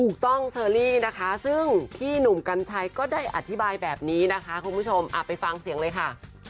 ถูกต้องเชอรี่นะคะซึ่งพี่หนุ่มกัญชัยก็ได้อธิบายแบบนี้นะคะคุณผู้ชมไปฟังเสียงเลยค่ะ